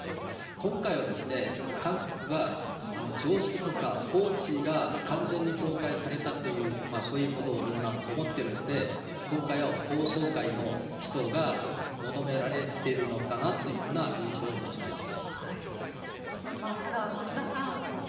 今回は韓国が常識とか法治が完全に崩壊されたということをみんな思っているので今回は法曹界の人が求められてるのかなというただ、増田さん。